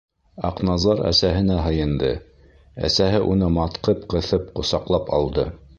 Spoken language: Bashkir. Аҡназар әсәһенә һыйынды, әсәһе уны матҡып ҡыҫып ҡосаҡлап алды.